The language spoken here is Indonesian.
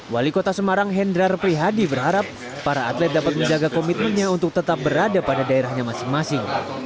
wali kota semarang hendrar prihadi berharap para atlet dapat menjaga komitmennya untuk tetap berada pada daerahnya masing masing